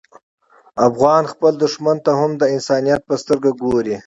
افغان خپل دښمن ته هم د انسانیت په سترګه ګوري.